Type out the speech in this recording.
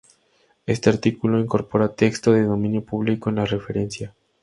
Este artículo incorpora texto de dominio público en la referencia.